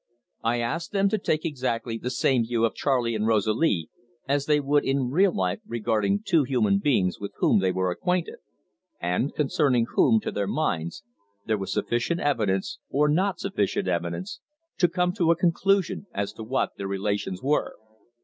I asked them to take exactly the same view of Charley and Rosalie as they would in real life regarding two human beings with whom they were acquainted, and concerning whom, to their minds, there was sufficient evidence, or not sufficient evidence, to come to a conclusion as to what their relations were.